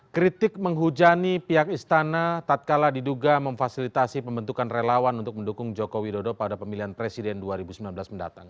kritik menghujani pihak istana tatkala diduga memfasilitasi pembentukan relawan untuk mendukung jokowi dodo pada pemilihan presiden dua ribu sembilan belas mendatang